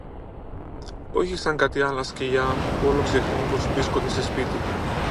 Όχι σαν κάτι άλλα σκυλιά που όλο ξεχνούν πως βρίσκονται σε σπίτι